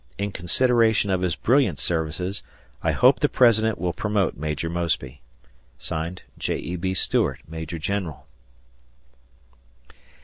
In consideration of his brilliant services, I hope the President will promote Maj. Mosby. J. E. B. Stuart, Major General.